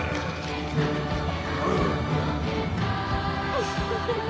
ウフフフ。